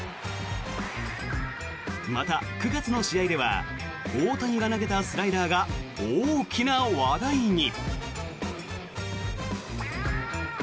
また９月の試合では大谷が投げたスライダーが大きな話題に。